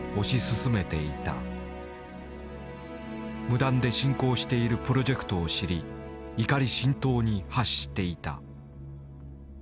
無断で進行しているプロジェクトを知り怒り心頭に発していた。